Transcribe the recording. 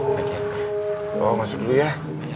masuk dulu ya